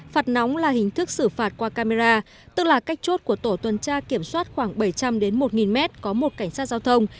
phạt nóng là hình thức xử phạt qua camera tức là cách chốt của tổ tuần tra kiểm soát khoảng bảy trăm linh một mét có một cảnh sát giao thông